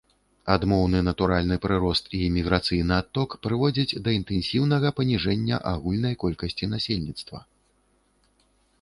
Адмоўны натуральны прырост і міграцыйны адток прыводзяць да інтэнсіўнага паніжэння агульнай колькасці насельніцтва.